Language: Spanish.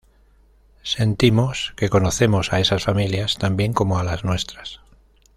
Sentimos que conocemos a esas familias tan bien como a las nuestras.